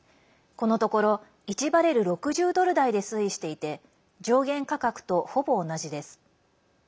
このところ１バレル＝６０ドル台で推移していて上限価格とほぼ同じです。